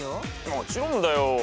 もちろんだよ。